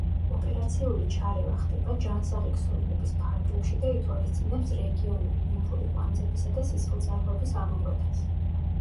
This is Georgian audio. ოპერაციული ჩარევა ხდება ჯანსაღი ქსოვილების ფარგლებში და ითვალისწინებს რეგიონული ლიმფური კვანძებისა და სისხლძარღვების ამოკვეთას.